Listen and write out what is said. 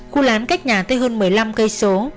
khu lán cách nhà tới hơn một mươi năm km